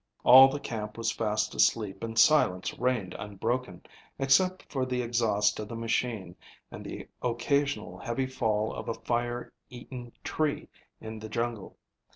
All the camp was fast asleep and silence reigned unbroken, except for the exhaust of the machine and the occasional heavy fall of a fire eaten tree in the jungle.